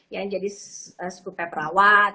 yang jadi skupe perawat